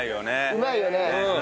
うまいよね。